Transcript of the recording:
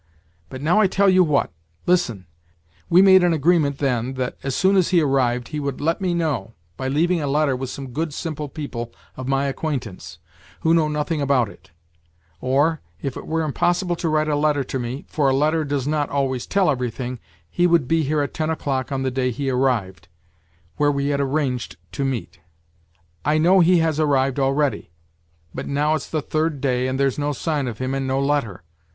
But now I tell you what, listen : we made an agreement then that as soon as he arrived he would let me know, by leaving a letter with some good simple people of my acquaintance who know nothing about it ; or, if it were impossible to write a letter to me, for a letter does not always tell everything, he would be here at ten o'clock on the day he arrived, where we had arranged to meet. I know he has arrived already; but now it's the third day, and there's no sign of him v and no letter.